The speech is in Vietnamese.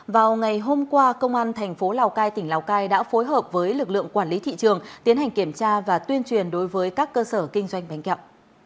vào ngày hôm qua công an thành phố lào cai tỉnh lào cai đã phối hợp với lực lượng quản lý thị trường tiến hành kiểm tra và tuyên truyền đối với các cơ sở kinh doanh bánh kẹo